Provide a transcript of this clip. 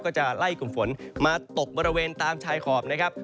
ก็จะไล่กลุ่มฝนมาตกบริเวณตามชายขอบนะครับ